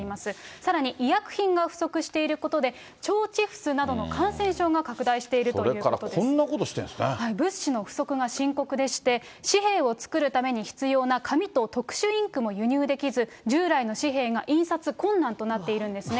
さらに医薬品が不足していることで、腸チフスなどの感染症が拡大しているそれからこんなことしてるん物資の不足が深刻でして、紙幣を作るために必要な紙と特殊インクも輸入できず、従来の紙幣が印刷困難となっているんですね。